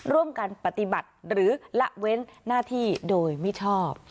ร่วมกันปฏิบัติหรือละเว้นหน้าที่โดยมิชอบ